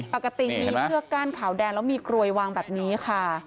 ปกติมีเชือกก้านขาวแดงแล้วมีกลวยวางแบบนี้ค่ะ